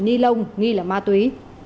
nhi lông nghi là ma túy